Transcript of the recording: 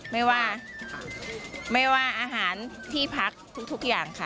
ไม่ว่าอาหารที่พักทุกอย่างค่ะ